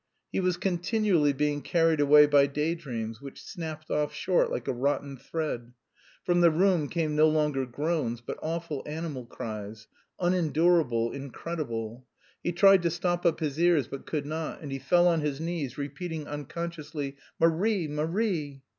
He was continually being carried away by day dreams, which snapped off short like a rotten thread. From the room came no longer groans but awful animal cries, unendurable, incredible. He tried to stop up his ears, but could not, and he fell on his knees, repeating unconsciously, "Marie, Marie!"